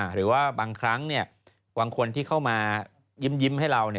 หรือว่าบางครั้งบางคนที่เข้ามายิ้มให้เรา